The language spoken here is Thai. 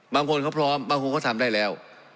บางคนเขาพร้อมบางคนเขาทำได้แล้ว